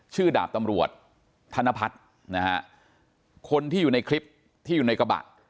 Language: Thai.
ดาบตำรวจธนพัฒน์นะฮะคนที่อยู่ในคลิปที่อยู่ในกระบะ